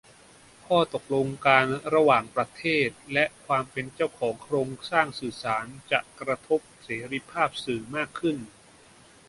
ข้อตกลงการระหว่างประเทศ และความเป็นเจ้าของโครงสร้างสื่อสาร จะกระทบเสรีภาพสื่อมากขึ้น